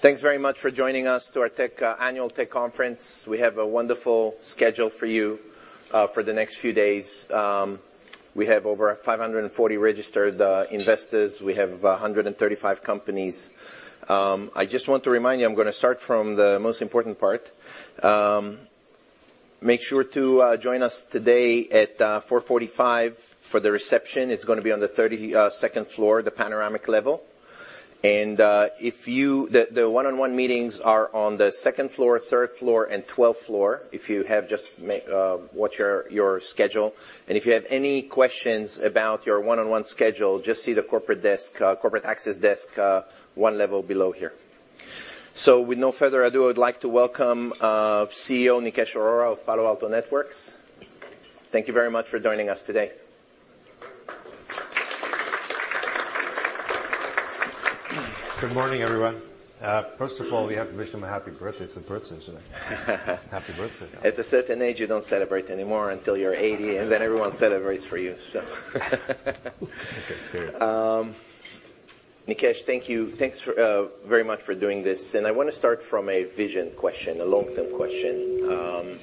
Thanks very much for joining us to our tech annual tech conference. We have a wonderful schedule for you for the next few days. We have over 540 registered investors. We have 135 companies. I just want to remind you, I'm gonna start from the most important part. Make sure to join us today at 4:45 P.M. for the reception. It's gonna be on the 32nd floor, the panoramic level. And, the one-on-one meetings are on the second floor, third floor, and twelfth floor. Watch your schedule, and if you have any questions about your one-on-one schedule, just see the corporate desk, corporate access desk, one level below here. With no further ado, I would like to welcome CEO Nikesh Arora of Palo Alto Networks. Thank you very much for joining us today. Good morning, everyone. First of all, we have to wish him a happy birthday. It's his birthday today. Happy birthday. At a certain age, you don't celebrate anymore until you're 80, and then everyone celebrates for you, so. That's great. Nikesh, thank you. Thanks, very much for doing this, and I wanna start from a vision question, a long-term question.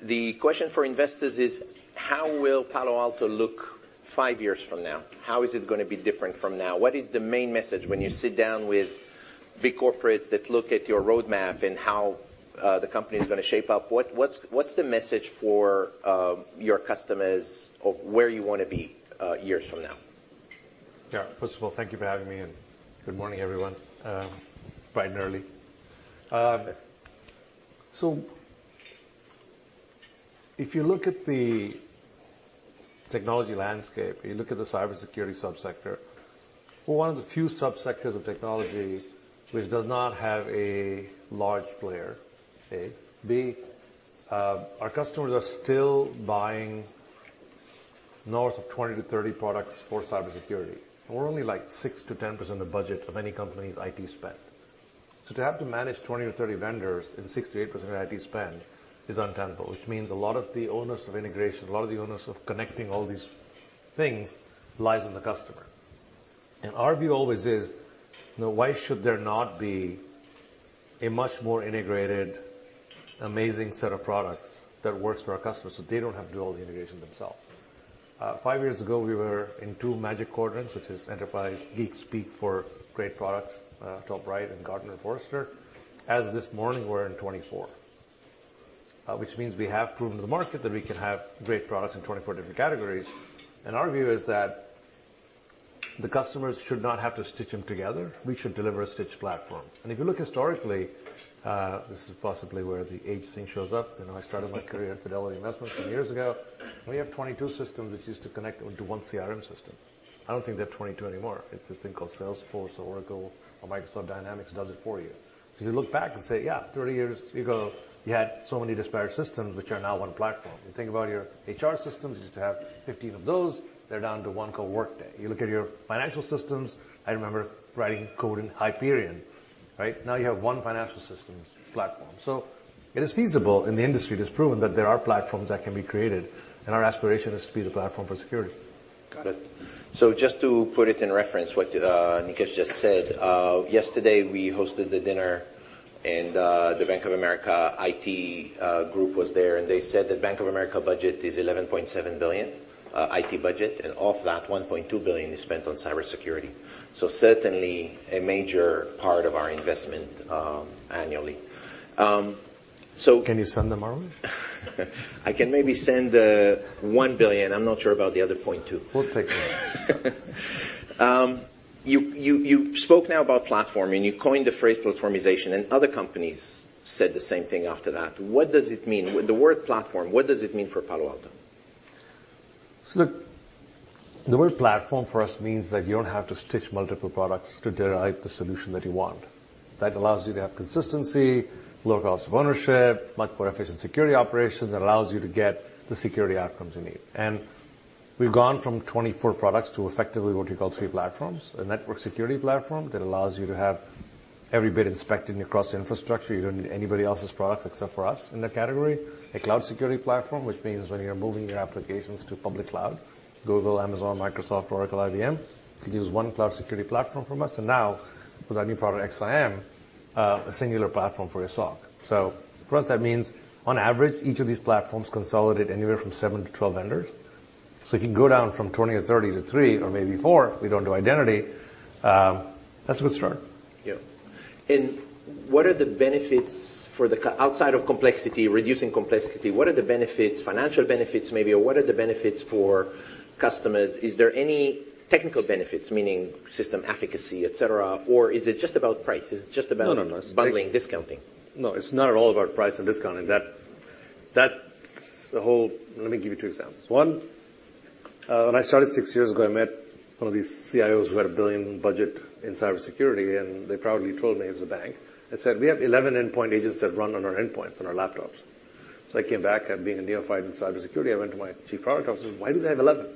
The question for investors is: How will Palo Alto look five years from now? How is it gonna be different from now? What is the main message when you sit down with big corporates that look at your roadmap and how the company is gonna shape up? What's the message for your customers of where you wanna be years from now? Yeah. First of all, thank you for having me, and good morning, everyone. Bright and early. So if you look at the technology landscape, you look at the cybersecurity subsector, we're one of the few subsectors of technology which does not have a large player. Our customers are still buying north of 20-30 products for cybersecurity. We're only, like, 6%-10% of budget of any company's IT spend. So to have to manage 20 or 30 vendors in 6%-8% of IT spend is untenable, which means a lot of the onus of integration, a lot of the onus of connecting all these things lies on the customer. Our view always is, now, why should there not be a much more integrated, amazing set of products that works for our customers, so they don't have to do all the integration themselves? Five years ago, we were in two Magic Quadrants, which is enterprise geek speak for great products, top right in Gartner Forrester. As of this morning, we're in 24, which means we have proven to the market that we can have great products in 24 different categories. Our view is that the customers should not have to stitch them together. We should deliver a stitched platform. If you look historically, this is possibly where the age thing shows up. You know, I started my career at Fidelity Investments a few years ago. We have 22 systems, which used to connect into one CRM system. I don't think they have 22 anymore. It's this thing called Salesforce or Oracle or Microsoft Dynamics does it for you. So you look back and say, "Yeah, 30 years ago, you had so many disparate systems, which are now one platform." You think about your HR systems, used to have 15 of those. They're down to one called Workday. You look at your financial systems. I remember writing code in Hyperion, right? Now, you have one financial systems platform. So it is feasible, and the industry has proven that there are platforms that can be created, and our aspiration is to be the platform for security. Got it. So just to put it in reference, what Nikesh just said, yesterday, we hosted the dinner, and the Bank of America IT group was there, and they said that Bank of America budget is $11.7 billion IT budget, and of that, $1.2 billion is spent on cybersecurity. So certainly, a major part of our investment annually. So Can you send them our way? I can maybe send $1 billion. I'm not sure about the other $0.2 billion. We'll take it. You spoke now about platform, and you coined the phrase platformization, and other companies said the same thing after that. What does it mean? With the word platform, what does it mean for Palo Alto? So look, the word platform for us means that you don't have to stitch multiple products to derive the solution that you want. That allows you to have consistency, low cost of ownership, much more efficient security operations, that allows you to get the security outcomes you need. And we've gone from 24 products to effectively what you call three platforms. A network security platform that allows you to have every bit inspected across infrastructure. You don't need anybody else's product, except for us in that category. A cloud security platform, which means when you're moving your applications to public cloud, Google, Amazon, Microsoft, Oracle, IBM, you could use one cloud security platform from us, and now with our new product, XIM, a singular platform for your SOC. So for us, that means on average, each of these platforms consolidate anywhere from seven to 12 vendors. If you go down from 20 or 30 to three or maybe four, we don't do identity. That's a good start. Yeah. And what are the benefits outside of complexity, reducing complexity, what are the benefits, financial benefits maybe, or what are the benefits for customers? Is there any technical benefits, meaning system efficacy, et cetera, et cetera, or is it just about price? Is it just about- No, no, no. bundling, discounting? No, it's not at all about price and discounting. That, that's the whole, Let me give you two examples. One, when I started six years ago, I met one of these CIOs who had a $1 billion budget in cybersecurity, and they proudly told me, it was a bank, they said, "We have 11 endpoint agents that run on our endpoints, on our laptops." So I came back, and being a neophyte in cybersecurity, I went to my Chief Product Officer, "Why do they have 11?"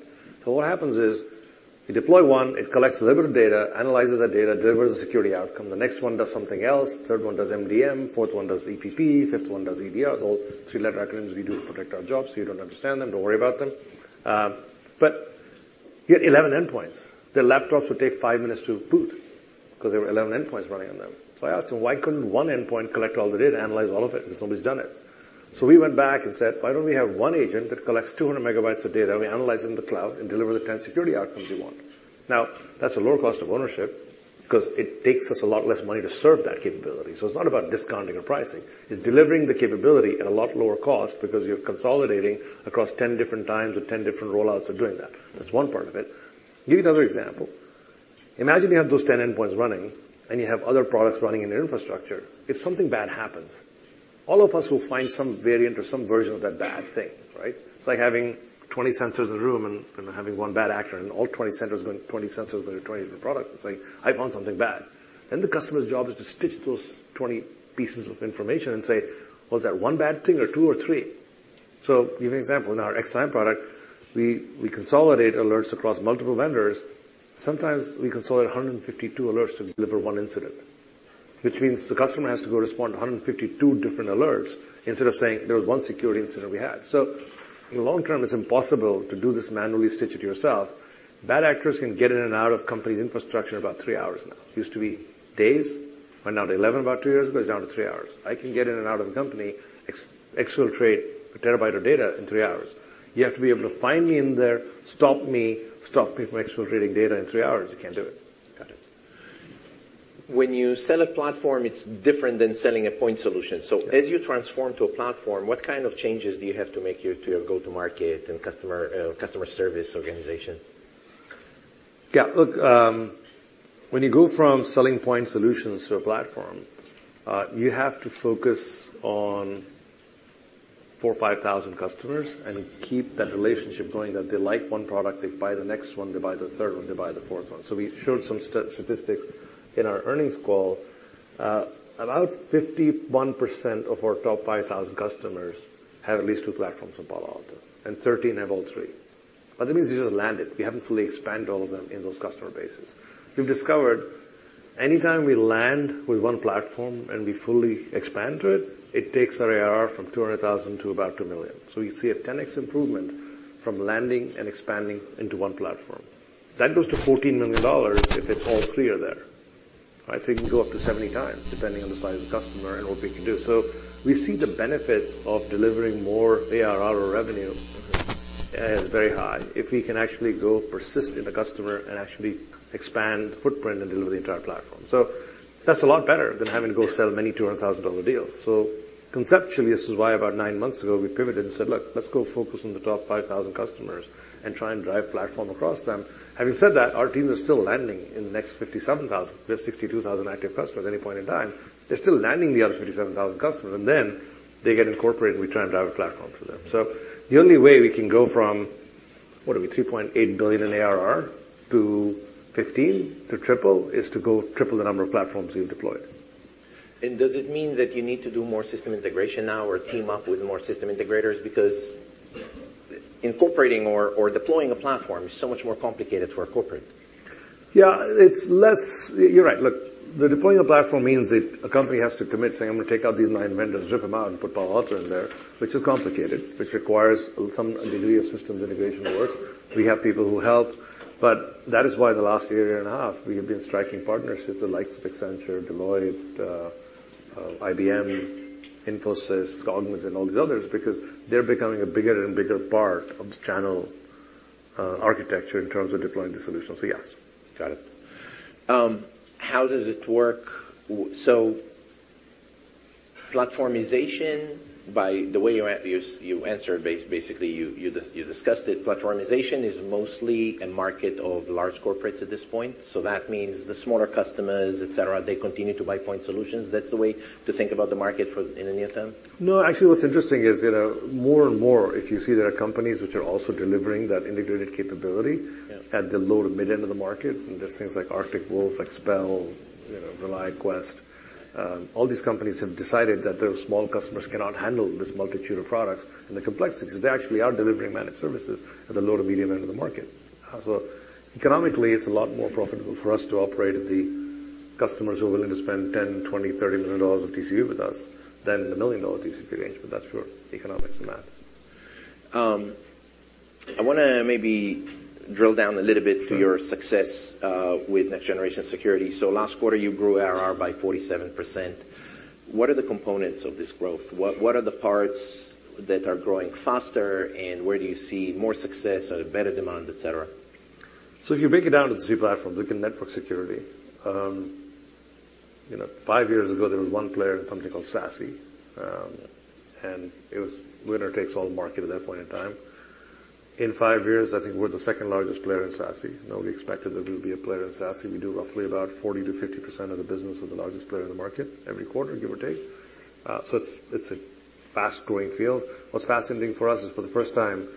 So what happens is, you deploy one, it collects a little bit of data, analyzes that data, delivers a security outcome. The next one does something else, third one does MDM, fourth one does EPP, fifth one does EDR. It's all three-letter acronyms. We do to protect our jobs, so you don't understand them. Don't worry about them. He had 11 endpoints. Their laptops would take five minutes to boot because there were 11 endpoints running on them. So I asked him, why couldn't one endpoint collect all the data, analyze all of it, if nobody's done it? So we went back and said, "Why don't we have one agent that collects 200 MB of data, and we analyze it in the cloud and deliver the ten security outcomes you want?" Now, that's a lower cost of ownership 'cause it takes us a lot less money to serve that capability. So it's not about discounting or pricing, it's delivering the capability at a lot lower cost because you're consolidating across ten different times or ten different rollouts of doing that. That's one part of it. I'll give you another example. Imagine you have those ten endpoints running, and you have other products running in your infrastructure. If something bad happens, all of us will find some variant or some version of that bad thing, right? It's like having 20 sensors in a room and, and having one bad actor, and all 20 sensors going to 20 different products and saying, "I found something bad." Then the customer's job is to stitch those 20 pieces of information and say, "Was that one bad thing or two or three?" So give you an example. In our XSIAM product, we, we consolidate alerts across multiple vendors. Sometimes we consolidate 152 alerts to deliver one incident, which means the customer has to go respond to 152 different alerts, instead of saying, "There was one security incident we had." So in the long term, it's impossible to do this manually, stitch it yourself. Bad actors can get in and out of company's infrastructure in about three hours now. It used to be days, went down to 11 about two years ago, it's down to three hours. I can get in and out of the company, exfiltrate a terabyte of data in three hours. You have to be able to find me in there, stop me, stop me from exfiltrating data in three hours. You can't do it. Got it. When you sell a platform, it's different than selling a point solution. Yeah. So as you transform to a platform, what kind of changes do you have to make to your go-to-market and customer service organizations? Yeah, look, when you go from selling point solutions to a platform, you have to focus on four or five thousand customers and keep that relationship going, that they like one product, they buy the next one, they buy the third one, they buy the fourth one. So we showed some statistics in our earnings call. About 51% of our top 5,000 customers have at least two platforms in Palo Alto, and 13 have all three. But that means we just landed. We haven't fully expanded all of them in those customer bases. We've discovered anytime we land with one platform, and we fully expand to it, it takes our ARR from $200,000 to about $2 million. So you see a 10x improvement from landing and expanding into one platform. That goes to $14 million if it's all three are there, right? So it can go up to 70 times, depending on the size of the customer and what we can do. So we see the benefits of delivering more ARR or revenue- Mm-hmm. is very high, if we can actually go persist in the customer and actually expand the footprint and deliver the entire platform. So that's a lot better than having to go sell many $200,000 deals. So conceptually, this is why about nine months ago, we pivoted and said: Look, let's go focus on the top 5,000 customers and try and drive platform across them. Having said that, our team is still landing in the next 57,000. We have 62,000 active customers at any point in time. They're still landing the other 57,000 customers, and then they get incorporated, we try and drive a platform for them. So the only way we can go from, what are we? $3.8 billion in ARR to $15 billion, to triple, is to go triple the number of platforms we've deployed. Does it mean that you need to do more system integration now or team up with more system integrators? Because incorporating or deploying a platform is so much more complicated for a corporate. Yeah, it's less, You're right. Look, the deploying a platform means that a company has to commit, saying: I'm gonna take out these nine vendors, rip them out, and put Palo Alto in there, which is complicated, which requires some degree of systems integration work. We have people who help, but that is why in the last year and a half, we have been striking partners with the likes of Accenture, Deloitte, IBM, Infosys, Cognizant, and all these others, because they're becoming a bigger and bigger part of the channel architecture in terms of deploying the solution. So, yes. Got it. How does it work? So platformization, by the way you discussed it. Platformization is mostly a market of large corporates at this point, so that means the smaller customers, etc., they continue to buy point solutions. That's the way to think about the market for in the near term? No, actually, what's interesting is, you know, more and more, if you see there are companies which are also delivering that integrated capability Yeah at the low to mid-end of the market, and there's things like Arctic Wolf, Expel, you know, ReliaQuest. All these companies have decided that their small customers cannot handle this multitude of products and the complexities. They actually are delivering managed services at the low to medium end of the market. So economically, it's a lot more profitable for us to operate at the customers who are willing to spend $10 million, $20 million, $30 million of TCV with us than in a $1 million TCV range. But that's pure economics and math. I wanna maybe drill down a little bit Sure to your success with next-generation security. So last quarter, you grew ARR by 47%. What are the components of this growth? What, what are the parts that are growing faster, and where do you see more success or a better demand, etc.? So if you break it down to the three platforms, look at network security. You know, five years ago, there was one player in something called SASE, and it was winner-takes-all market at that point in time. In five years, I think we're the second largest player in SASE. Nobody expected that we'll be a player in SASE. We do roughly about 40%-50% of the business of the largest player in the market every quarter, give or take. So it's a fast-growing field. What's fascinating for us is, for the first time,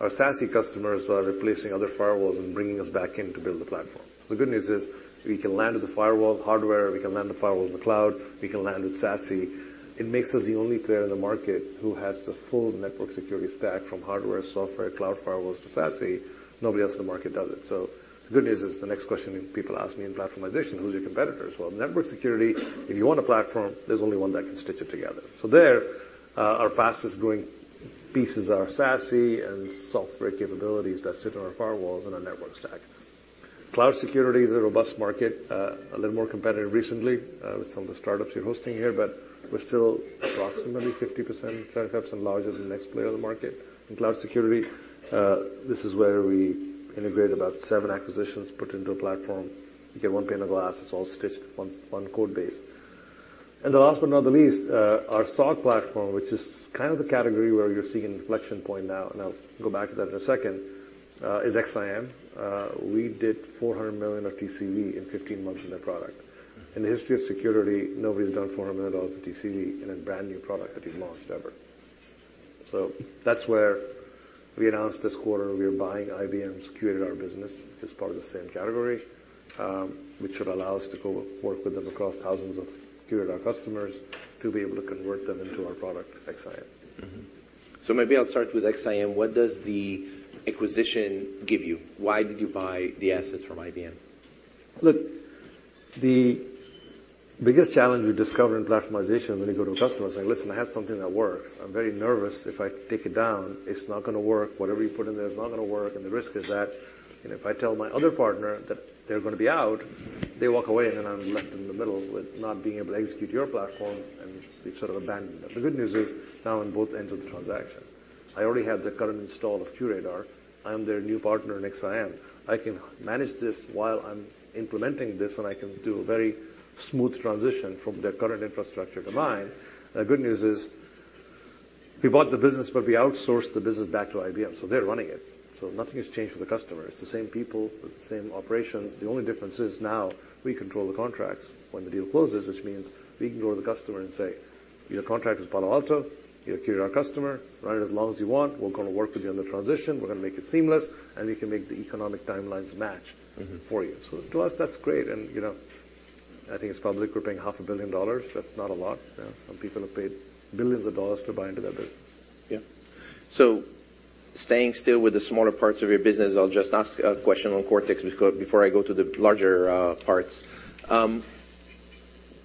our SASE customers are replacing other firewalls and bringing us back in to build the platform. The good news is we can land at the firewall hardware, we can land the firewall in the cloud, we can land with SASE. It makes us the only player in the market who has the full network security stack, from hardware, software, cloud firewalls to SASE. Nobody else in the market does it. The good news is the next question people ask me in platformization: Who's your competitors? Well, network security, if you want a platform, there's only one that can stitch it together. So there, our fastest-growing pieces are SASE and software capabilities that sit on our firewalls and our network stack. Cloud security is a robust market, a little more competitive recently, with some of the startups you're hosting here, but we're still approximately 50%, 30% larger than the next player on the market. In cloud security, this is where we integrate about seven acquisitions put into a platform. You get one pane of glass, it's all stitched, one, one code base. And the last but not the least, our SIEM platform, which is kind of the category where you're seeing inflection point now, and I'll go back to that in a second, is XSIAM. We did $400 million of TCV in 15 months in their product. In the history of security, nobody's done $400 million of TCV in a brand-new product that we've launched, ever. So that's where we announced this quarter, we are buying IBM's QRadar business, which is part of the same category, which should allow us to go work with them across thousands of QRadar customers to be able to convert them into our product, XSIAM. Mm-hmm. So maybe I'll start with XSIAM. What does the acquisition give you? Why did you buy the assets from IBM? Look, the biggest challenge we discovered in platformization, when you go to a customer and say, "Listen, I have something that works. I'm very nervous if I take it down, it's not gonna work. Whatever you put in there is not gonna work, and the risk is that, you know, if I tell my other partner that they're gonna be out, they walk away, and then I'm left in the middle with not being able to execute your platform, and they've sort of abandoned them." The good news is, now I'm on both ends of the transaction. I already have the current install of QRadar. I'm their new partner in XSIAM. I can manage this while I'm implementing this, and I can do a very smooth transition from their current infrastructure to mine. The good news is, we bought the business, but we outsourced the business back to IBM, so they're running it. So nothing has changed for the customer. It's the same people, it's the same operations. The only difference is now we control the contracts when the deal closes, which means we can go to the customer and say, "Your contract is Palo Alto, you're a QRadar customer. Run it as long as you want. We're gonna work with you on the transition, we're gonna make it seamless, and we can make the economic timelines match Mm-hmm. for you." So to us, that's great, and, you know, I think it's probably we're paying $500 million. That's not a lot. You know, some people have paid billions of dollars to buy into that business. Yeah. So staying still with the smaller parts of your business, I'll just ask a question on Cortex before I go to the larger parts.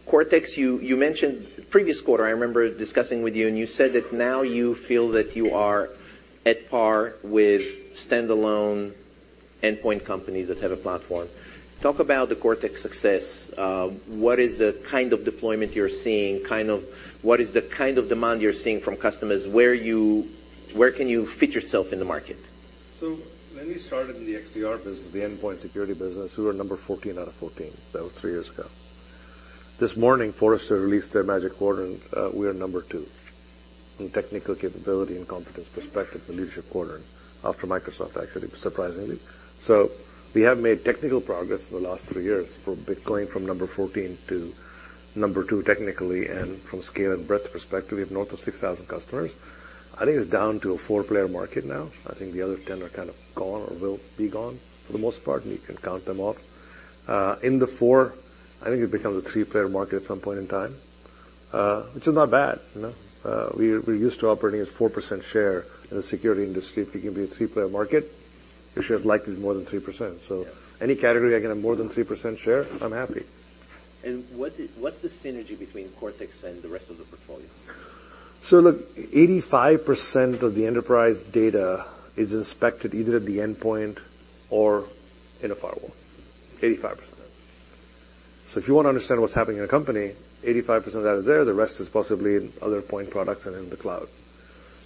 Cortex, you, you mentioned, Previous quarter, I remember discussing with you, and you said that now you feel that you are at par with standalone endpoint companies that have a platform. Talk about the Cortex success. What is the kind of deployment you're seeing? Kind of, what is the kind of demand you're seeing from customers? Where can you fit yourself in the market? So when we started in the XDR business, the endpoint security business, we were number 14 out of 14. That was three years ago. This morning, Forrester released their Magic Quadrant. We are number two in technical capability and competence perspective, the leadership quadrant, after Microsoft, actually, surprisingly. So we have made technical progress in the last three years for going from number 14 to number two, technically, and from scale and breadth perspective, we have north of 6,000 customers. I think it's down to a four player market now. I think the other 10 are kind of gone or will be gone. For the most part, you can count them off. In the four, I think it becomes a three player market at some point in time, which is not bad, you know? We're used to operating at 4% share in the security industry. If we can be a three player market, we should have likely more than 3%. Yeah. Any category I get more than 3% share, I'm happy. What's the synergy between Cortex and the rest of the portfolio? So look, 85% of the enterprise data is inspected either at the endpoint or in a firewall. 85%. So if you want to understand what's happening in a company, 85% of that is there, the rest is possibly in other point products and in the cloud.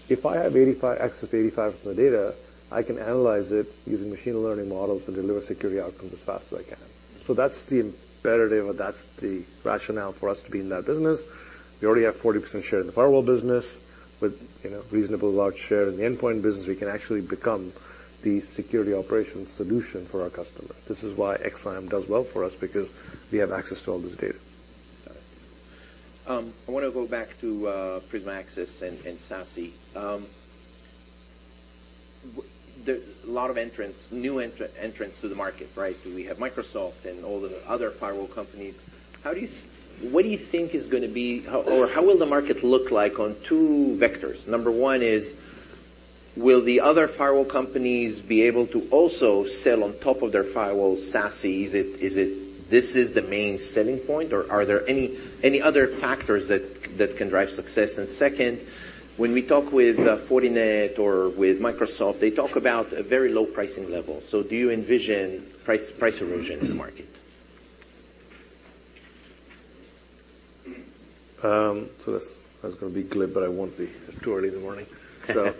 If I have access to 85% of the data, I can analyze it using machine learning models to deliver security outcomes as fast as I can. So that's the imperative, or that's the rationale for us to be in that business. We already have 40% share in the firewall business. With, you know, reasonably large share in the endpoint business, we can actually become the security operations solution for our customers. This is why XSIAM does well for us, because we have access to all this data. Got it. I wanna go back to Prisma Access and SASE. A lot of new entrants to the market, right? We have Microsoft and all the other firewall companies. What do you think is gonna be, Or how will the market look like on two vectors? Number one is, will the other firewall companies be able to also sell on top of their firewall, SASE? Is it, is it this is the main selling point, or are there any other factors that can drive success? And second, when we talk with Fortinet or with Microsoft, they talk about a very low pricing level. So do you envision price erosion in the market? So that's, I was gonna be glib, but I won't be. It's too early in the morning. So,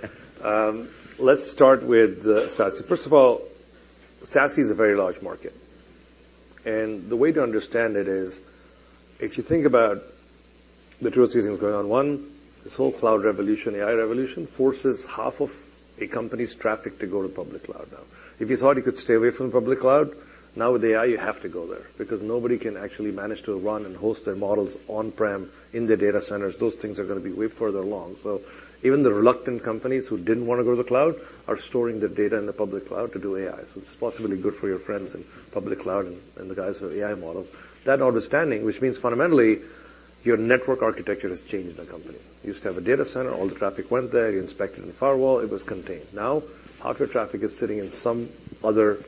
let's start with the SASE. First of all, SASE is a very large market, and the way to understand it is, if you think about the two or three things going on, one, this whole cloud revolution, AI revolution, forces half of a company's traffic to go to public cloud now. If you thought you could stay away from the public cloud, now with AI, you have to go there because nobody can actually manage to run and host their models on-prem in their data centers. Those things are gonna be way further along. So even the reluctant companies who didn't wanna go to the cloud are storing their data in the public cloud to do AI. So it's possibly good for your friends in public cloud and the guys with AI models. That understanding, which means your network architecture has changed in the company. You used to have a data center, all the traffic went there, you inspected in the firewall, it was contained. Now, half your traffic is sitting in some other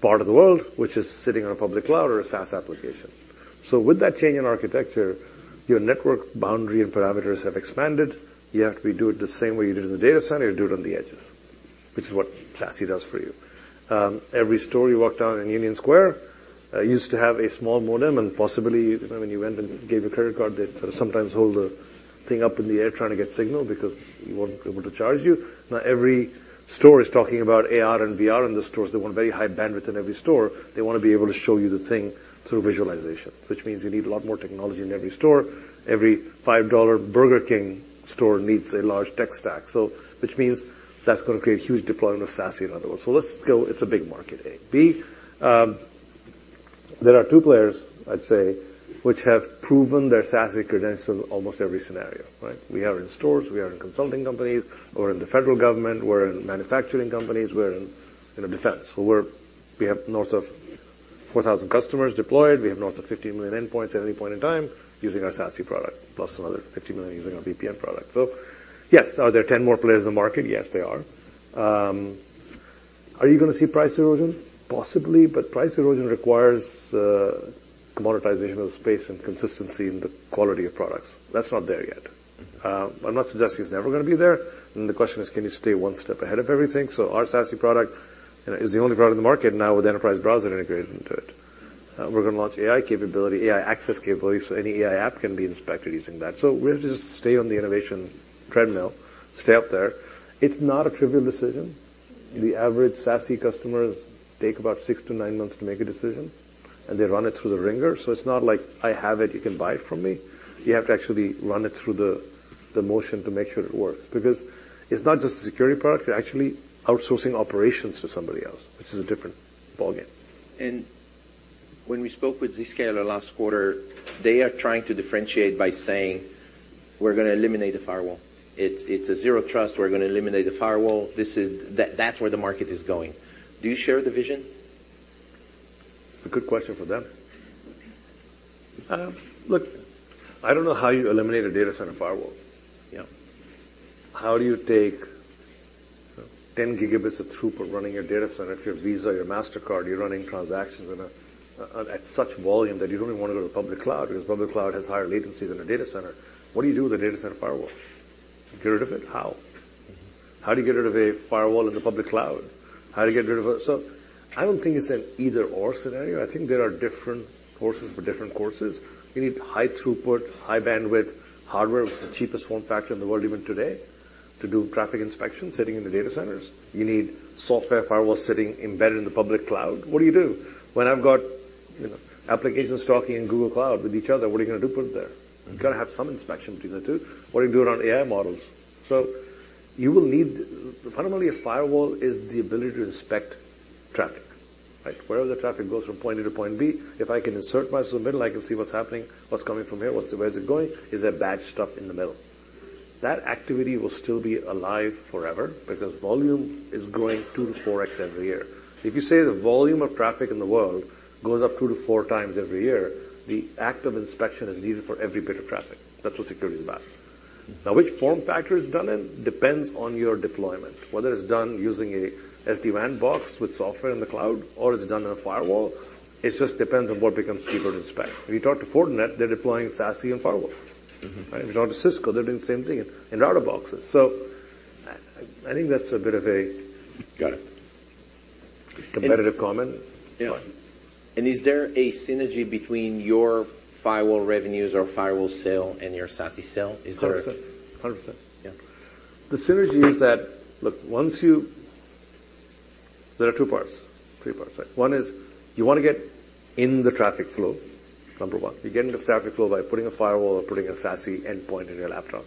part of the world, which is sitting on a public cloud or a SaaS application. So with that change in architecture, your network boundary and parameters have expanded. You have to do it the same way you did in the data center, you do it on the edges, which is what SASE does for you. Every store you walk down in Union Square used to have a small modem, and possibly, you know, when you went and gave your credit card, they sometimes hold the thing up in the air trying to get signal because we weren't able to charge you. Now, every store is talking about AR and VR in the stores. They want very high bandwidth in every store. They wanna be able to show you the thing through visualization, which means you need a lot more technology in every store. Every $5 Burger King store needs a large tech stack, so which means that's gonna create huge deployment of SASE in other words. So let's go, it's a big market, A. B, there are two players, I'd say, which have proven their SASE credentials in almost every scenario, right? We are in stores, we are in consulting companies, we're in the federal government, we're in manufacturing companies, we're in defense. So we're we have north of 4,000 customers deployed. We have north of 15 million endpoints at any point in time using our SASE product, plus another 50 million using our VPN product. So yes, are there 10 more players in the market? Yes, there are. Are you gonna see price erosion? Possibly, but price erosion requires monetization of space and consistency in the quality of products. That's not there yet. I'm not suggesting it's never gonna be there, and the question is: can you stay one step ahead of everything? So our SASE product, you know, is the only product in the market now with Enterprise Browser integrated into it. We're gonna launch AI capability, AI access capability, so any AI app can be inspected using that. So we'll just stay on the innovation treadmill, stay up there. It's not a trivial decision. The average SASE customers take about 6-9 months to make a decision, and they run it through the ringer. So it's not like: I have it, you can buy it from me. You have to actually run it through the motion to make sure it works, because it's not just a security product, you're actually outsourcing operations to somebody else, which is a different ballgame. When we spoke with Zscaler last quarter, they are trying to differentiate by saying, "We're gonna eliminate the firewall. It's, it's a Zero Trust. We're gonna eliminate the firewall. This is, That, that's where the market is going." Do you share the vision? It's a good question for them. Look, I don't know how you eliminate a data center firewall. Yeah. How do you take 10 Gb of throughput running your data center? If your Visa, your Mastercard, you're running transactions in a, at such volume that you don't even wanna go to public cloud, because public cloud has higher latency than a data center. What do you do with a data center firewall? Get rid of it? How? How do you get rid of a firewall in the public cloud? How do you get rid of a, So I don't think it's an either/or scenario. I think there are different horses for different courses. You need high throughput, high bandwidth, hardware, which is the cheapest form factor in the world even today, to do traffic inspection sitting in the data centers. You need software firewall sitting embedded in the public cloud. What do you do? When I've got, you know, applications talking in Google Cloud with each other, what are you gonna do, put it there? You've got to have some inspection between the two. What do you do around AI models? So you will need, Fundamentally, a firewall is the ability to inspect traffic, right? Wherever the traffic goes from point A to point B, if I can insert myself in the middle, I can see what's happening, what's coming from here, where is it going, is there bad stuff in the middle? That activity will still be alive forever because volume is growing 2x-4x every year. If you say the volume of traffic in the world goes up 2x-4x every year, the act of inspection is needed for every bit of traffic. That's what security is about. Now, which form factor it's done in, depends on your deployment, whether it's done using a SD-WAN box with software in the cloud, or it's done in a firewall, it just depends on what becomes cheaper to inspect. If you talk to Fortinet, they're deploying SASE and firewalls. Mm-hmm. Right? If you talk to Cisco, they're doing the same thing in router boxes. So I think that's a bit of a- Got it. Competitive comment. Yeah. It's fine. Is there a synergy between your firewall revenues or firewall sale and your SASE sale? Is there- 100%. 100%, yeah. The synergy is that, look, once you, There are two parts, three parts, right? One is you wanna get in the traffic flow, number one. You get into the traffic flow by putting a firewall or putting a SASE endpoint in your laptop.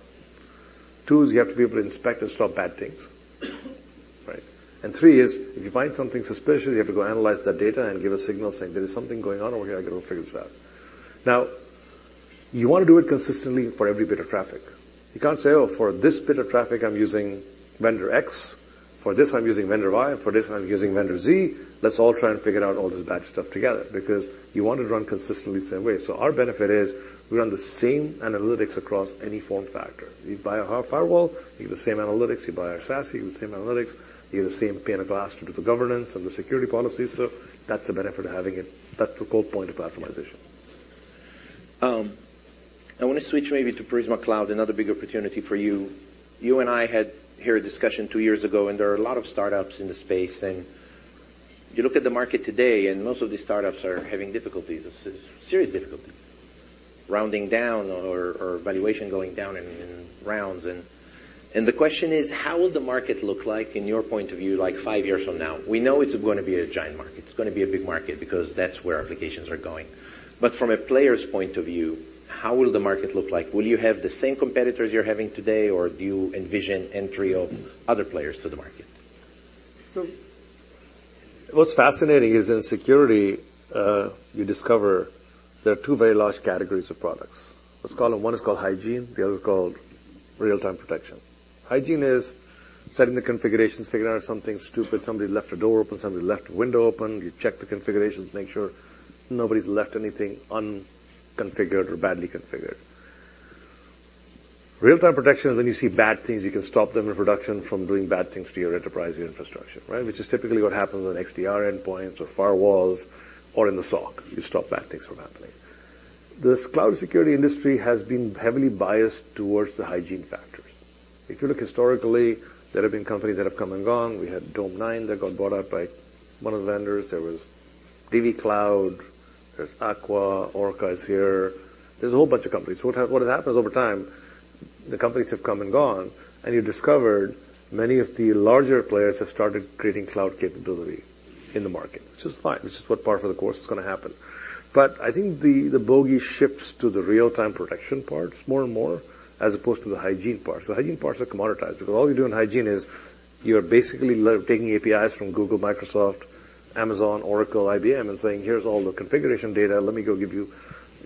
Two, is you have to be able to inspect and stop bad things. Right? And three is, if you find something suspicious, you have to go analyze that data and give a signal saying, "There is something going on, and we gotta go figure this out." Now, you wanna do it consistently for every bit of traffic. You can't say, "Oh, for this bit of traffic, I'm using vendor X. For this, I'm using vendor Y, and for this, I'm using vendor Z. Let's all try and figure out all this bad stuff together." Because you want to run consistently the same way. So our benefit is we run the same analytics across any form factor. You buy our firewall, you get the same analytics, you buy our SASE, the same analytics, you get the same pane of glass to do the governance and the security policies. So that's the benefit of having it. That's the whole point of platformization. I wanna switch maybe to Prisma Cloud, another big opportunity for you. You and I had here a discussion two years ago, and there are a lot of startups in the space, and you look at the market today, and most of these startups are having difficulties, serious difficulties, rounding down or valuation going down in rounds. And the question is: How will the market look like in your point of view, like five years from now? We know it's gonna be a giant market. It's gonna be a big market because that's where applications are going. But from a player's point of view, how will the market look like? Will you have the same competitors you're having today, or do you envision entry of other players to the market? So what's fascinating is in security, you discover there are two very large categories of products. Let's call them, one is called hygiene, the other is called real-time protection. Hygiene is setting the configurations, figuring out if something's stupid, somebody left a door open, somebody left a window open. You check the configurations, make sure nobody's left anything unconfigured or badly configured. Real-time protection is when you see bad things, you can stop them in production from doing bad things to your enterprise, your infrastructure, right? Which is typically what happens on XDR endpoints or firewalls or in the SOC. You stop bad things from happening. The cloud security industry has been heavily biased towards the hygiene factors. If you look historically, there have been companies that have come and gone. We had Dome9 that got bought out by one of the vendors. There was DivvyCloud, there's Aqua, Orca is here. There's a whole bunch of companies. So what has happened is over time, the companies have come and gone, and you discovered many of the larger players have started creating cloud capability in the market, which is fine. This is what part of the course is gonna happen. But I think the bogey shifts to the real-time protection parts more and more, as opposed to the hygiene parts. The hygiene parts are commoditized, because all you do in hygiene is you're basically taking APIs from Google, Microsoft, Amazon, Oracle, IBM, and saying, "Here's all the configuration data. Let me go give you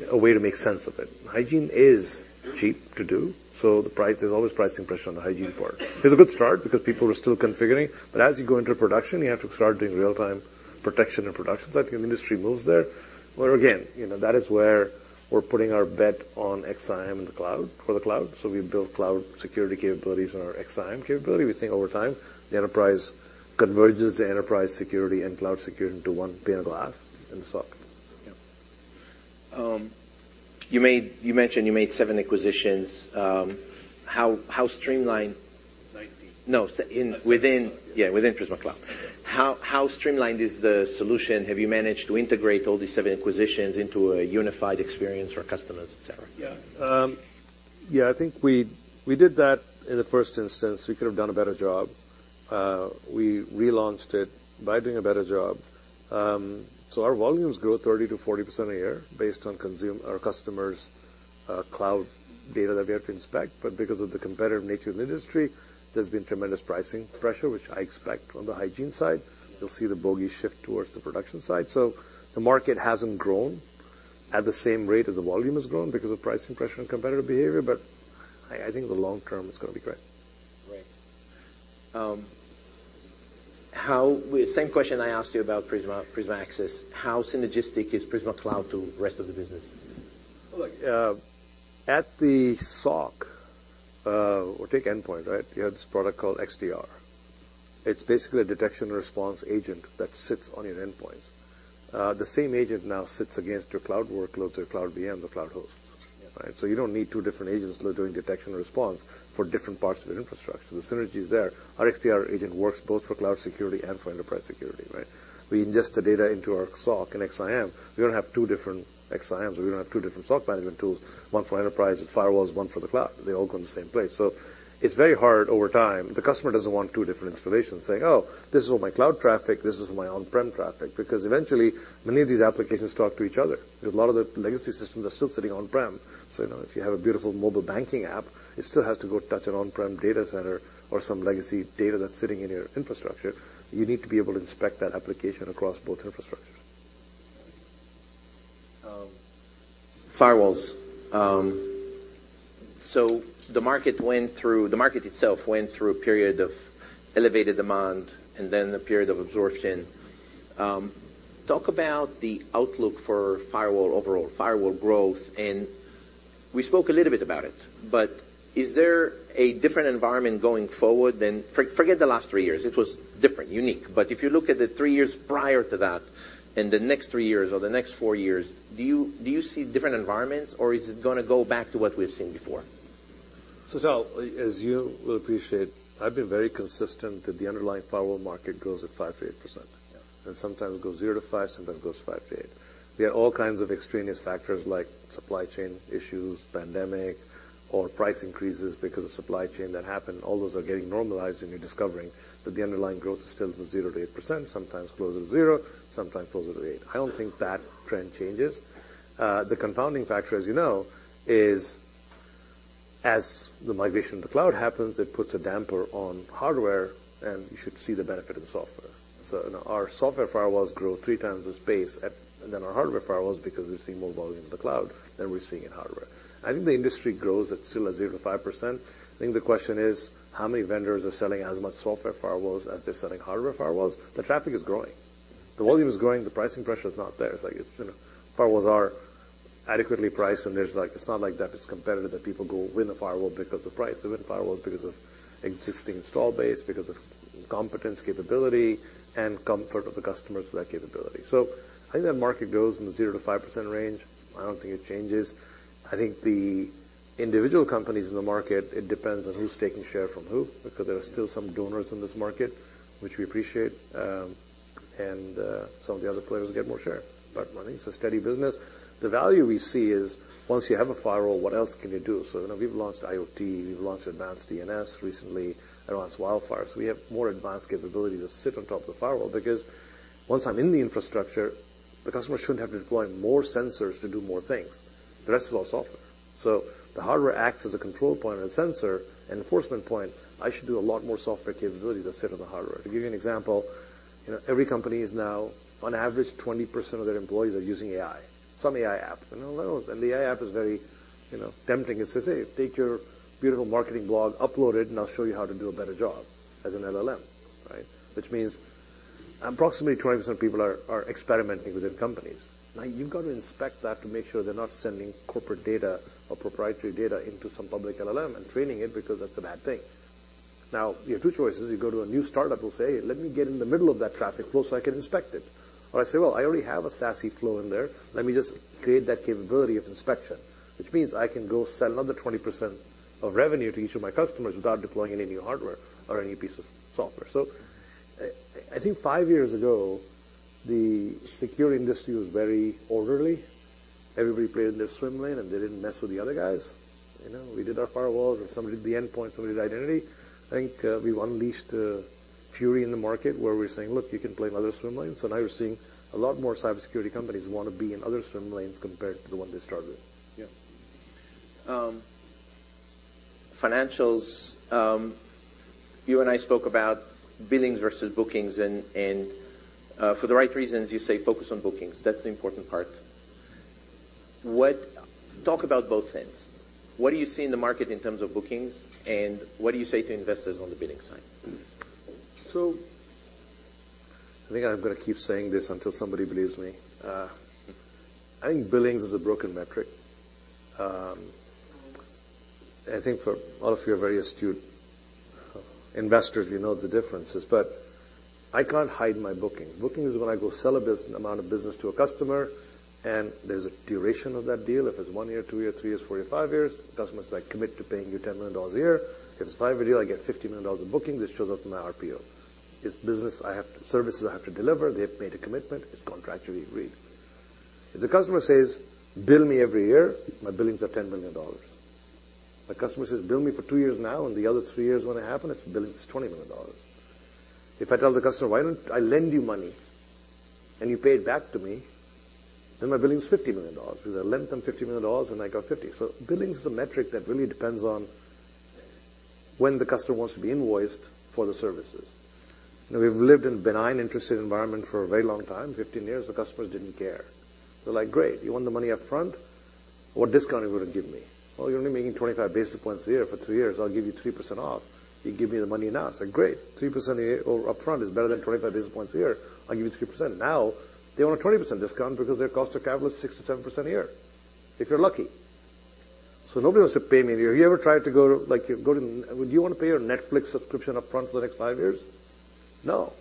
a way to make sense of it." Hygiene is cheap to do, so the price... There's always pricing pressure on the hygiene part. It's a good start because people are still configuring, but as you go into production, you have to start doing real-time protection and production, so I think the industry moves there. Where, again, you know, that is where we're putting our bet on XIM in the cloud, for the cloud. So we build cloud security capabilities in our XIM capability. We think over time, the enterprise converges the enterprise security and cloud security into one pane of glass in the SOC. Yeah. You mentioned you made seven acquisitions. How streamlined 19. No. Prisma Cloud. Yeah, within Prisma Cloud. Yeah. How streamlined is the solution? Have you managed to integrate all these seven acquisitions into a unified experience for customers, et cetera? Yeah. Yeah, I think we, we did that in the first instance. We could have done a better job. We relaunched it by doing a better job. So our volumes grow 30%-40% a year based on consumption, our customers' cloud data that we have to inspect. But because of the competitive nature of the industry, there's been tremendous pricing pressure, which I expect on the hygiene side. You'll see the bogey shift towards the production side. So the market hasn't grown at the same rate as the volume has grown because of pricing pressure and competitive behavior, but I, I think the long term, it's gonna be great. Great. How, Same question I asked you about Prisma, Prisma Access. How synergistic is Prisma Cloud to the rest of the business? Well, look, at the SOC, or take endpoint, right? You have this product called XDR. It's basically a detection response agent that sits on your endpoints. The same agent now sits against your cloud workloads, or cloud VM, the cloud hosts. Yeah. Right? So you don't need two different agents doing detection response for different parts of your infrastructure. The synergy is there. Our XDR agent works both for cloud security and for enterprise security, right? We ingest the data into our SOC and XIM. We don't have two different XIMs, or we don't have two different SOC management tools, one for enterprise and firewalls, one for the cloud. They all go in the same place. So it's very hard over time. The customer doesn't want two different installations, saying, "Oh, this is all my cloud traffic, this is my on-prem traffic." Because eventually, many of these applications talk to each other. Because a lot of the legacy systems are still sitting on-prem. So, you know, if you have a beautiful mobile banking app, it still has to go touch an on-prem data center or some legacy data that's sitting in your infrastructure. You need to be able to inspect that application across both infrastructures. Firewalls. So the market went through the market itself went through a period of elevated demand and then a period of absorption. Talk about the outlook for firewall, overall firewall growth, and we spoke a little bit about it, but is there a different environment going forward than Forget the last three years, it was different, unique. But if you look at the three years prior to that and the next three years or the next four years, do you, do you see different environments, or is it gonna go back to what we've seen before? Tal, as you will appreciate, I've been very consistent that the underlying firewall market grows at 5%-8%. Yeah. Sometimes it goes 0%-5%, sometimes it goes 5%-8%. There are all kinds of extraneous factors like supply chain issues, pandemic, or price increases because of supply chain that happened. All those are getting normalized, and you're discovering that the underlying growth is still 0%-8%, sometimes closer to 0%, sometimes closer to 8%. I don't think that trend changes. The confounding factor, as you know, is as the migration to the cloud happens, it puts a damper on hardware, and you should see the benefit in software. So, you know, our software firewalls grow three times the space than our hardware firewalls because we've seen more volume in the cloud than we're seeing in hardware. I think the industry grows at still at 0%-5%. I think the question is, how many vendors are selling as much software firewalls as they're selling hardware firewalls? The traffic is growing. The volume is growing, the pricing pressure is not there. It's like it's, you know, firewalls are adequately priced, and there's like. It's not like that, it's competitive, that people go win a firewall because of price. They win firewalls because of existing install base, because of competence, capability, and comfort of the customers for that capability. So I think that market goes from 0%-5% range. I don't think it changes. I think the individual companies in the market, it depends on who's taking share from who, because there are still some dinosaurs in this market, which we appreciate, and some of the other players get more share. But I think it's a steady business. The value we see is once you have a firewall, what else can you do? So, you know, we've launched IoT, we've launched advanced DNS recently, and launched WildFire. So we have more advanced capability to sit on top of the firewall, because once I'm in the infrastructure, the customer shouldn't have to deploy more sensors to do more things. The rest is all software. So the hardware acts as a control point and a sensor, enforcement point. I should do a lot more software capabilities that sit on the hardware. To give you an example, you know, every company is now, on average, 20% of their employees are using AI, some AI app. And the AI app is very, you know, tempting. It says, "Hey, take your beautiful marketing blog, upload it, and I'll show you how to do a better job as an LLM," right? Which means-... Approximately 20% of people are experimenting with their companies. Now, you've got to inspect that to make sure they're not sending corporate data or proprietary data into some public LLM and training it, because that's a bad thing. Now, you have two choices. You go to a new startup who will say, "Let me get in the middle of that traffic flow so I can inspect it." Or I say, "Well, I already have a SASE flow in there. Let me just create that capability of inspection," which means I can go sell another 20% of revenue to each of my customers without deploying any new hardware or any piece of software. So, I think five years ago, the security industry was very orderly. Everybody played in their swim lane, and they didn't mess with the other guys. You know, we did our firewalls, and some did the endpoint, some did identity. I think, we've unleashed fury in the market, where we're saying: Look, you can play in other swim lanes. So now you're seeing a lot more cybersecurity companies wanna be in other swim lanes compared to the one they started. Yeah. Financials, you and I spoke about billings versus bookings, and, and, for the right reasons, you say, "Focus on bookings." That's the important part. What, Talk about both things. What do you see in the market in terms of bookings, and what do you say to investors on the billing side? I think I'm gonna keep saying this until somebody believes me. I think billings is a broken metric. I think for all of you very astute investors, you know the differences, but I can't hide my bookings. Booking is when I go sell an amount of business to a customer, and there's a duration of that deal. If it's one year, two year, three years, four year, five years, the customer says, "I commit to paying you $10 million a year." If it's five-year deal, I get $50 million in booking. This shows up in my RPO. It's services I have to deliver. They've made a commitment. It's contractually agreed. If the customer says, "Bill me every year," my billings are $10 million. My customer says, "Bill me for two years now, and the other three years when it happen," it's billings, $20 million. If I tell the customer, "Why don't I lend you money, and you pay it back to me?" Then my billing is $50 million because I lent them $50 million, and I got 50. So billings is a metric that really depends on when the customer wants to be invoiced for the services. Now, we've lived in a benign, interested environment for a very long time. 15 years, the customers didn't care. They're like: "Great, you want the money upfront? What discount are you gonna give me?" "Well, you're only making 25 basis points a year for two years. I'll give you 3% off. You give me the money now." I say, "Great, 3% or upfront is better than 25 basis points a year. I'll give you 3%." Now, they want a 20% discount because their cost of capital is 6%-7% a year, if you're lucky. So nobody wants to pay me a year. Have you ever tried to go to... Like, you go to-- Would you wanna pay your Netflix subscription upfront for the next five years? No.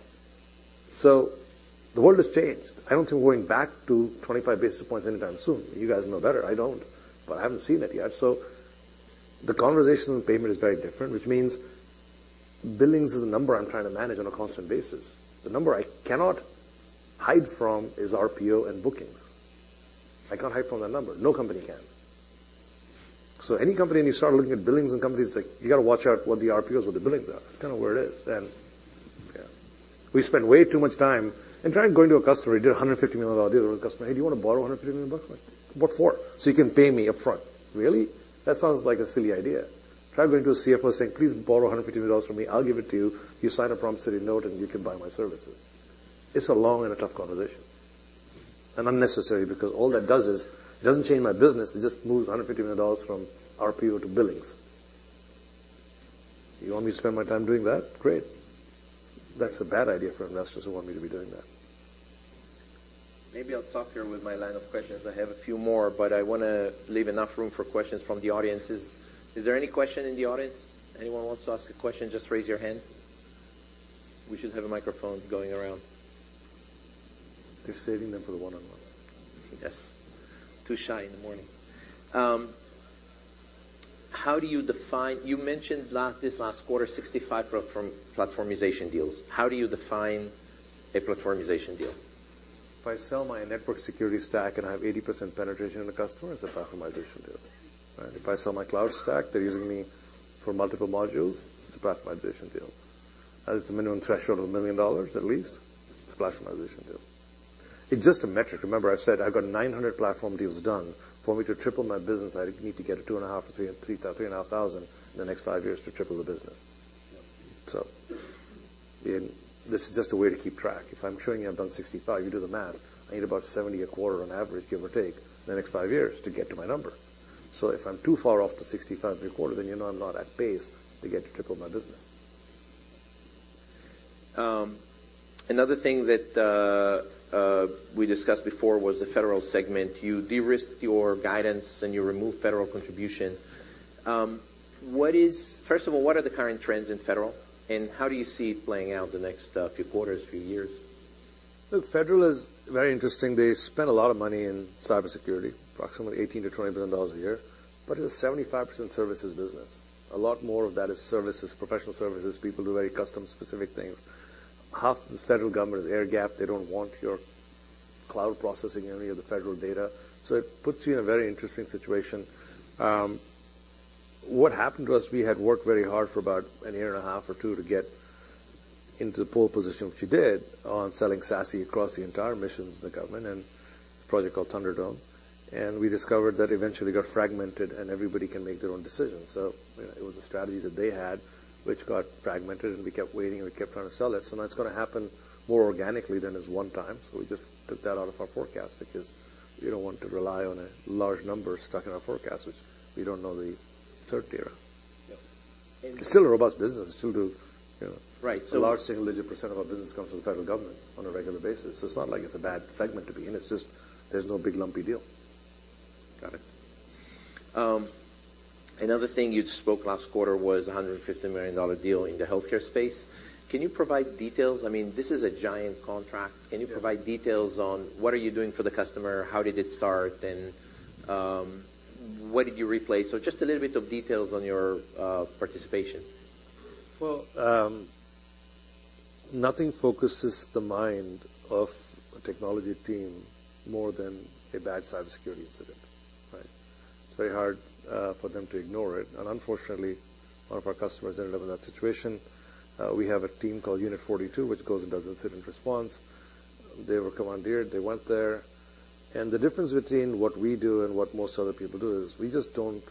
So the world has changed. I don't think we're going back to 25 basis points anytime soon. You guys know better. I don't, but I haven't seen it yet. So the conversation on payment is very different, which means billings is a number I'm trying to manage on a constant basis. The number I cannot hide from is RPO and bookings. I can't hide from that number. No company can. So any company, and you start looking at billings and companies, it's like you gotta watch out what the RPOs or the billings are. It's kinda where it is. And, yeah, we spent way too much time, And try and going to a customer, you did a $150 million deal with a customer. "Hey, do you wanna borrow $150 million bucks?" Like, "What for?" "So you can pay me upfront." "Really? That sounds like a silly idea." Try going to a CFO saying, "Please borrow $150 million dollars from me. I'll give it to you. You sign a promissory note, and you can buy my services." It's a long and a tough conversation, and unnecessary because all that does is, it doesn't change my business, it just moves $150 million dollars from RPO to billings. You want me to spend my time doing that? Great. That's a bad idea for investors who want me to be doing that. Maybe I'll stop here with my line of questions. I have a few more, but I wanna leave enough room for questions from the audiences. Is there any question in the audience? Anyone wants to ask a question, just raise your hand. We should have a microphone going around. They're saving them for the one-on-one. Yes. Too shy in the morning. How do you define, You mentioned last, this last quarter, 65 platformization deals. How do you define a platformization deal? If I sell my network security stack and I have 80% penetration in the customer, it's a platformization deal, right? If I sell my cloud stack, they're using me for multiple modules, it's a platformization deal. As the minimum threshold of $1 million, at least, it's a platformization deal. It's just a metric. Remember, I've said I've got 900 platform deals done. For me to triple my business, I'd need to get 2,500-3,500 in the next five years to triple the business. Yeah. This is just a way to keep track. If I'm showing you I've done 65, you do the math. I need about 70 a quarter on average, give or take, in the next five years to get to my number. So if I'm too far off to 65 every quarter, then you know I'm not at pace to get to triple my business. Another thing that we discussed before was the federal segment. You de-risked your guidance, and you removed federal contribution. First of all, what are the current trends in federal, and how do you see it playing out the next few quarters, few years? Look, federal is very interesting. They spend a lot of money in cybersecurity, approximately $18 billion-$20 billion a year, but it's a 75% services business. A lot more of that is services, professional services. People do very custom-specific things. Half the federal government is air-gapped. They don't want your cloud processing any of the federal data, so it puts you in a very interesting situation. What happened to us, we had worked very hard for about a year and a half or two to get into the pole position, which we did, on selling SASE across the entire missions in the government and a project called Thunderdome. And we discovered that eventually, it got fragmented, and everybody can make their own decisions. So it, it was a strategy that they had, which got fragmented, and we kept waiting, and we kept trying to sell it. So now it's gonna happen more organically than as one time. So we just took that out of our forecast because we don't want to rely on a large number stuck in our forecast, which we don't know the third tier, It's still a robust business, true to, you know- Right. A large single-digit % of our business comes from the federal government on a regular basis. So it's not like it's a bad segment to be in. It's just there's no big, lumpy deal. Got it. Another thing you'd spoke last quarter was a $150 million deal in the healthcare space. Can you provide details? I mean, this is a giant contract. Yeah. Can you provide details on what are you doing for the customer, how did it start, and what did you replace? So just a little bit of details on your participation. Well, nothing focuses the mind of a technology team more than a bad cybersecurity incident, right? It's very hard for them to ignore it, and unfortunately, one of our customers ended up in that situation. We have a team called Unit 42, which goes and does incident response. They were commandeered, they went there, and the difference between what we do and what most other people do is we just don't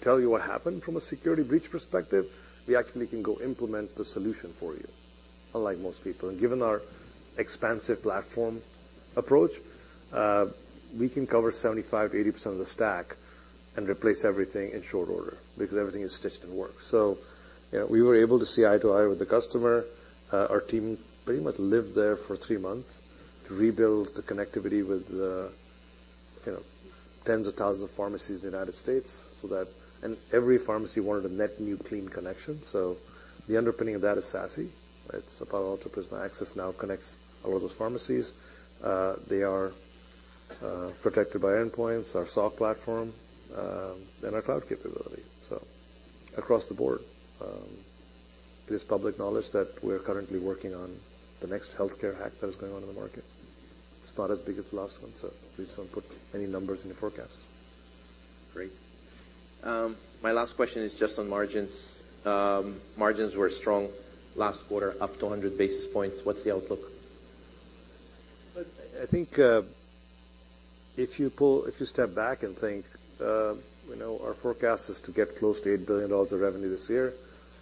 tell you what happened from a security breach perspective. We actually can go implement the solution for you, unlike most people. And given our expansive platform approach, we can cover 75%-80% of the stack and replace everything in short order because everything is stitched and works. So, you know, we were able to see eye to eye with the customer. Our team pretty much lived there for three months to rebuild the connectivity with the, you know, tens of thousands of pharmacies in the United States, so that, And every pharmacy wanted a net new clean connection, so the underpinning of that is SASE. It's Apollo to Prisma Access now connects all of those pharmacies. They are protected by endpoints, our SOC platform, then our cloud capability. So across the board, it is public knowledge that we're currently working on the next healthcare hack that is going on in the market. It's not as big as the last one, so please don't put any numbers in the forecast. Great. My last question is just on margins. Margins were strong last quarter, up to 100 basis points. What's the outlook? Look, I think, if you step back and think, you know, our forecast is to get close to $8 billion of revenue this year,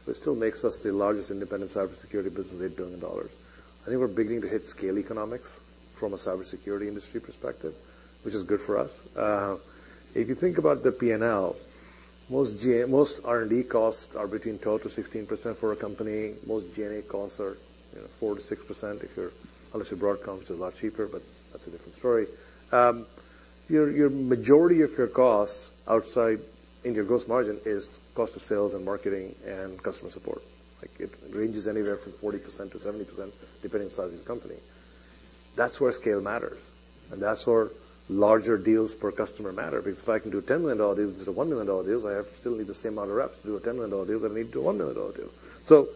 which still makes us the largest independent cybersecurity business with $8 billion. I think we're beginning to hit scale economics from a cybersecurity industry perspective, which is good for us. If you think about the P&L, most R&D costs are between 12%-16% for a company. Most G&A costs are, you know, 4%-6% if you're... Unless you're Broadcom, which is a lot cheaper, but that's a different story. Your majority of your costs outside in your gross margin is cost of sales and marketing and customer support. Like, it ranges anywhere from 40%-70%, depending on the size of the company. That's where scale matters, and that's where larger deals per customer matter, because if I can do $10 million deals to $1 million deals, I have to still need the same amount of reps to do a $10 million deal, I need to do a $1 million deal. So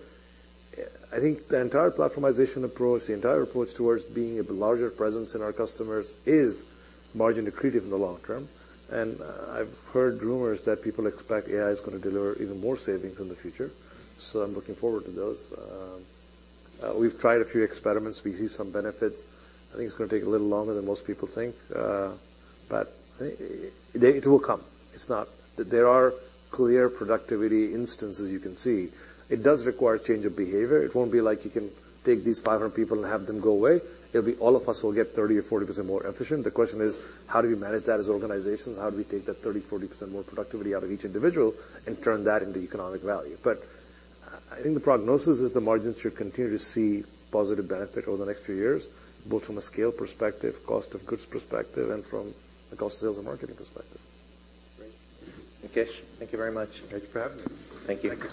I think the entire platformization approach, the entire approach towards being a larger presence in our customers is margin accretive in the long term, and, I've heard rumors that people expect AI is gonna deliver even more savings in the future, so I'm looking forward to those. We've tried a few experiments. We see some benefits. I think it's gonna take a little longer than most people think, but it will come. It's not, There are clear productivity instances you can see. It does require a change of behavior. It won't be like you can take these 500 people and have them go away. It'll be all of us will get 30% or 40% more efficient. The question is: how do we manage that as organizations? How do we take that 30%-40% more productivity out of each individual and turn that into economic value? But I think the prognosis is the margins should continue to see positive benefit over the next few years, both from a scale perspective, cost of goods perspective, and from a cost of sales and marketing perspective. Great. Nikesh, thank you very much. Thanks for having me. Thank you.